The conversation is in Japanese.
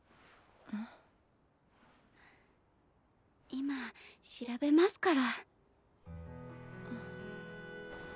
今調べますから。